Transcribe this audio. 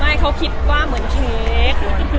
ไม่เขาคิดว่าเหมือนเค้ก